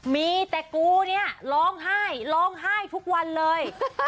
มีแต่กูเนี่ยร้องไห้ร้องไห้ทุกวันเลย